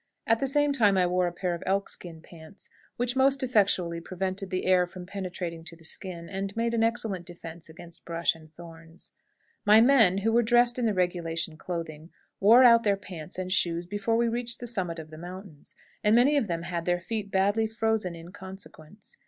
At the same time I wore a pair of elkskin pants, which most effectually prevented the air from penetrating to the skin, and made an excellent defense against brush and thorns. My men, who were dressed in the regulation clothing, wore out their pants and shoes before we reached the summit of the mountains, and many of them had their feet badly frozen in consequence.